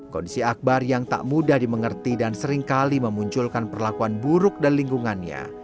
kondisi akbar yang tak mudah dimengerti dan seringkali memunculkan perlakuan buruk dan lingkungannya